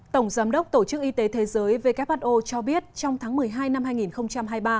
tổng giám đốc tổ chức y tế thế giới who cho biết trong tháng một mươi hai năm hai nghìn hai mươi ba